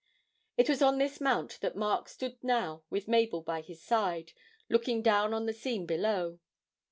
It was on this mount that Mark stood now with Mabel by his side, looking down on the scene below.